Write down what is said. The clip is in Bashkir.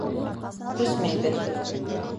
Күсмәйбеҙ!